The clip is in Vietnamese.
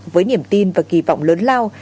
với niềm tin và kỳ vọng lớn lao